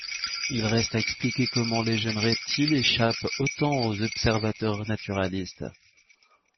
Il reste à expliquer comment les jeunes reptiles échappent autant aux observateurs naturalistes.